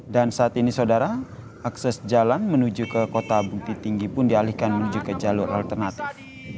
dan saat ini sodara akses jalan menuju ke kota bukit tinggi pun dialihkan menuju ke jalur alternatif